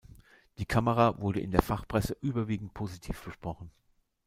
Die Kamera wurde in der Fachpresse überwiegend positiv besprochen.